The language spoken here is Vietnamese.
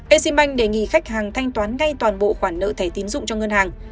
eximbank đề nghị khách hàng thanh toán ngay toàn bộ khoản nợ thẻ tín dụng cho ngân hàng